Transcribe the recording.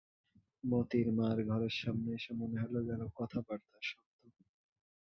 মোতির মার ঘরের সামনে এসে মনে হল যেন কথার্বাতার শব্দ।